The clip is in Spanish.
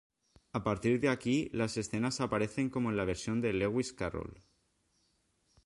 A partir de aquí las escenas aparecen como en la versión de Lewis Carroll.